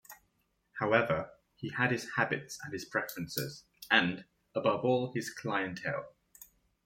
However, he had his habits and his preferences, and, above all his 'clientele'.